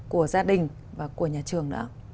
của gia đình và của nhà trường nữa